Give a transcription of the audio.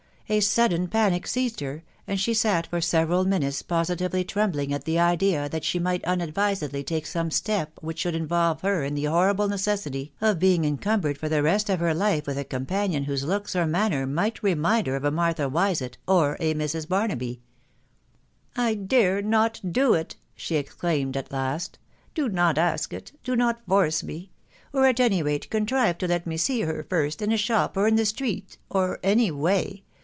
A sudden panic seized her, and she sat for several minutes positively trembling at the idea that she might unadvisedly take some step which should involve her in the horrible necessity of being incumbered for the rest of her life with a companion whose looks or manner might remind her of a Martha Wisett or a Mrs. Bar naby. tf I dare not do it !" she exclaimed at last. " Do not ask it .... do not force me ;.... or, at any rate, contrive to let me see her first, in a shop, or in the street, or any way.